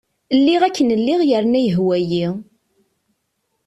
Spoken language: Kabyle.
Lliɣ akken lliɣ yerna yehwa-iyi.